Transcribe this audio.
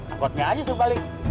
angkutnya aja terus balik